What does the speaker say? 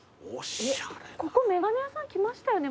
ここ眼鏡屋さん来ましたよね前。